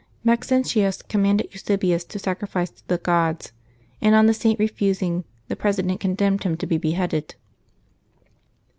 Maxentius commanded Euse bius to sacrifice to the gods, and on the Saint refusing, the president condemned him to be beheaded.